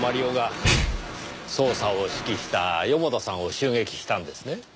男が捜査を指揮した四方田さんを襲撃したんですね？